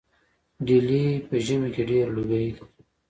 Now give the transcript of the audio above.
ډیلي په ژمي کې ډیر لوګی لري.